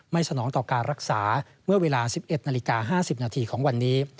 สนองต่อการรักษาเมื่อเวลา๑๑นาฬิกา๕๐นาทีของวันนี้